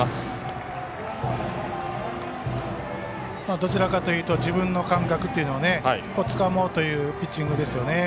どちらかというと自分の感覚というのをつかもうというピッチングですよね。